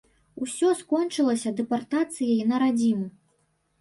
Усё скончылася дэпартацыяй на радзіму.